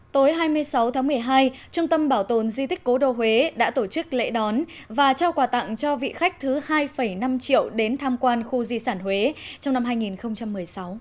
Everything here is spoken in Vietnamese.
tối hai mươi sáu tháng một mươi hai trung tâm bảo tồn di tích cố đô huế đã tổ chức lễ đón và trao quà tặng cho vị khách thứ hai năm triệu đến tham quan khu di sản huế trong năm hai nghìn một mươi sáu